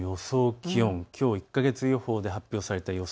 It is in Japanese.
気温、きょう１か月予報で発表された予想